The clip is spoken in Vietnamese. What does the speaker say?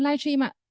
ở lài dram